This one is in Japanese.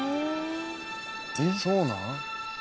そうなん？